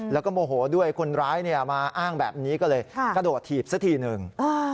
แล้วก็โมโหด้วยคนร้ายมาอ้างแบบนี้ก็เลยกระโดดถีบซะทีหนึ่ง